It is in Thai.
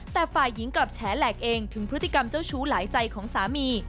แต่ฝ่ายหญิงกลับแฉแหลกเองถึงพฤติกรรมเจ้าชู้หลายใจของสามี